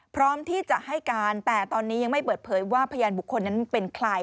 พร้อมที่จะให้การแต่ตอนนี้ยังไม่เปิดเผยว่าพยานบุคคลนั้นเป็นใคร